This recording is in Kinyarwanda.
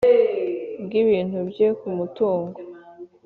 bw ibintu bye ku mutungo